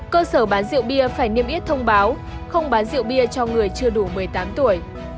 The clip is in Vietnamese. cơ sở bán rượu bia phải niêm yết thông báo không bán rượu bia cho người chưa đủ một mươi tám tuổi